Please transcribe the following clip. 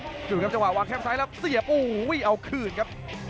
จริงครับวางแค่งซ้ายแล้วเสียดโอ้โหเอาคืนครับ